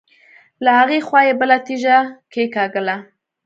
له هغې خوا يې بله تيږه کېکاږله.